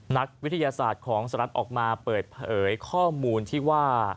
นักวิทยาศาสตร์ของสหรัฐออกมาเปิดเผยข้อมูลที่ว่า